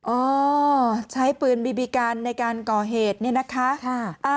อ๋อใช้ปืนบีบีกันในการก่อเหตุเนี่ยนะคะ